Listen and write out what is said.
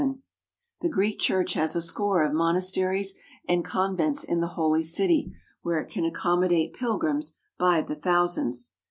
101 THE HOLY LAND AND SYRIA The Greek Church has a score of monasteries and con vents in the Holy City where it can accommodate pil grims by the thousands.